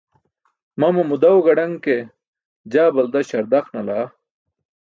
Mamamo daw gaḍaṅ ke, jaa balda śardaq nalaa.